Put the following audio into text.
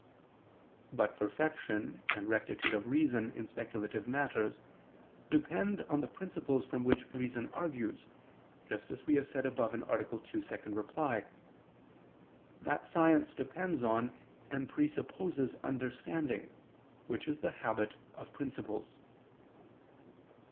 But perfection and rectitude of reason in speculative matters, depend on the principles from which reason argues; just as we have said above (A. 2, ad 2) that science depends on and presupposes understanding, which is the habit of principles.